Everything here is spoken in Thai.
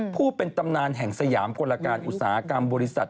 ผู้เป็นตำนานแห่งสยามกลการอุตสาหกรรมบริษัท